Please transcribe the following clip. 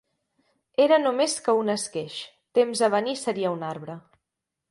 Era no més que un esqueix, temps a venir seria un arbre